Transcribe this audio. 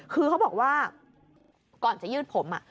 คือเขาบอกว่าก่อนจะยืดผม